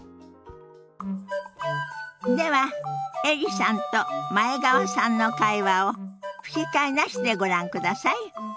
ではエリさんと前川さんの会話を吹き替えなしでご覧ください。